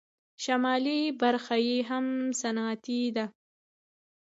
شمالي برخه یې هم صنعتي ده.